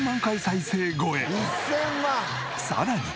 さらに。